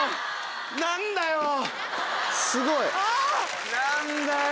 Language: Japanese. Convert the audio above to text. すごい。